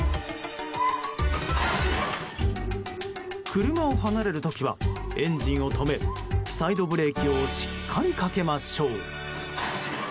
車を離れる時はエンジンを止めサイドブレーキをしっかりかけましょう。